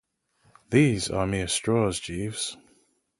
These are mere straws, Jeeves.